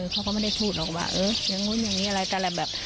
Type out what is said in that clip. เค้าก็ไม่ได้พูดหรอกว่าเออยังลืมอย่างนี้อะไรก็อะไรแบบ